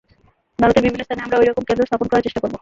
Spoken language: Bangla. ভারতের বিভিন্ন স্থানে আমরা ঐরকম কেন্দ্র স্থাপন করার চেষ্টা করব।